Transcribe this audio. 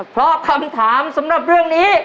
เพราะคำถามสำหรับเรื่องนี้